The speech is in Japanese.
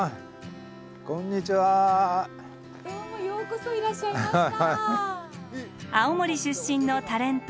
どうもようこそいらっしゃいました。